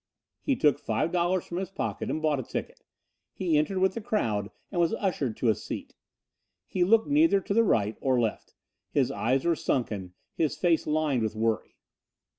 He took five dollars from his pocket and bought a ticket. He entered with the crowd and was ushered to a seat. He looked neither to the right or left. His eyes were sunken, his face lined with worry.